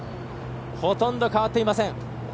ほとんど変わっていません。